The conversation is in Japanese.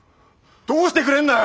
どうしてくれんだよ！